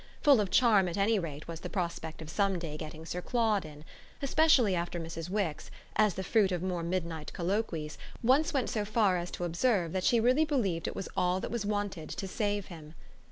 Full of charm at any rate was the prospect of some day getting Sir Claude in; especially after Mrs. Wix, as the fruit of more midnight colloquies, once went so far as to observe that she really believed it was all that was wanted to save him.